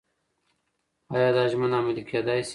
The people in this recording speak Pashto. ایا دا ژمنه عملي کېدای شي؟